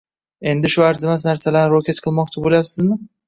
Endi shu arzimas narsalarni ro`kach qilmoqchi bo`lyapsizmi